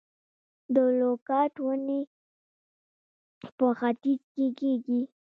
د لوکاټ ونې په ختیځ کې کیږي؟